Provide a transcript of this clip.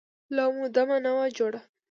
لا مو دمه نه وه جوړه.